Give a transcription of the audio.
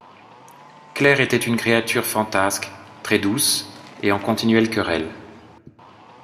Claire était une créature fantasque, très-douce, et en continuelle querelle.